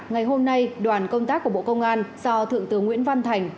ngày hôm nay đoàn công tác của bộ công an do thượng tướng nguyễn văn thành